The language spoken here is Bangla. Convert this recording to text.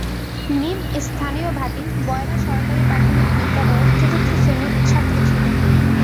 মিম স্থানীয় ভাটি বয়রা সরকারি প্রাথমিক বিদ্যালয়ের চতুর্থ শ্রেণির ছাত্রী ছিল।